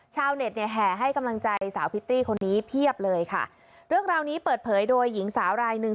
ชาวเน็ตเนี่ยแห่ให้กำลังใจสาวพิตตี้คนนี้เพียบเลยค่ะเรื่องราวนี้เปิดเผยโดยหญิงสาวรายหนึ่ง